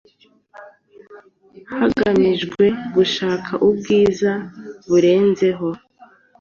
hagamijwe gushaka ubwiza.burenzeho